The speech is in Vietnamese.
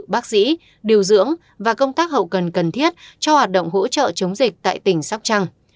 bác sĩ điều dưỡng và công tác hậu cần cần thiết cho hoạt động hỗ trợ chống dịch tại tỉnh sóc trăng